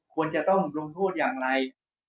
ควรจะต้องลงโทษอย่างไร